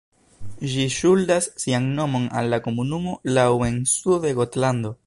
Ĝi ŝuldas sian nomon al la komunumo Lau en sudo de Gotlando.